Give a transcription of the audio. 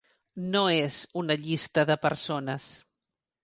No és una llista de persones.